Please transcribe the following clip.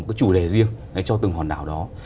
một chủ đề riêng cho từng hoàn đảo đó